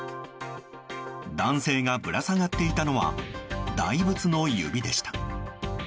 男性がぶら下がっていたのは大仏の指でした。